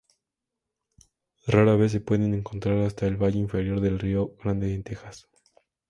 Rara vez se pueden encontrar hasta el valle inferior del río Grande en Texas.